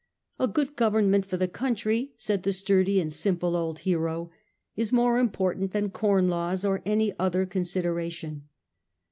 1 A good Govern ment for the country,' said the sturdy and simple old . hero, 'is more important than Corn Laws or any other consideration.